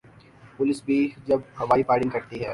Police بھی جب ہوائی فائرنگ کرتی ہے۔